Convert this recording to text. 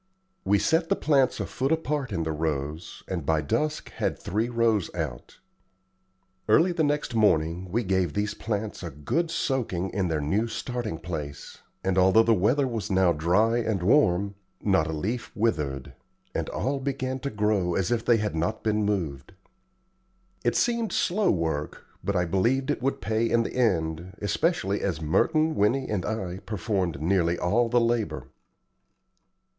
We set the plants a foot apart in the rows, and by dusk had three rows out. Early the next morning we gave these plants a good soaking in their new starting place, and, although the weather was now dry and warm, not a leaf withered, and all began to grow as if they had not been moved. It seemed slow work, but I believed it would pay in the end, especially as Merton, Winnie, and I performed nearly all the labor.